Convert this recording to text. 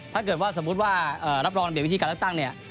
ถ้าเกิดว่าสมมุติว่ารับรองเดี๋ยววิธีการเลือกตั้งเนี่ย